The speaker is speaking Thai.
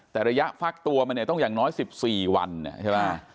แต่ระยะฟักตัวมาเนี่ยต้องอย่างน้อย๑๔วันใช่ไหม